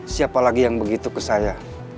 siapa lagi yang begitu ke saya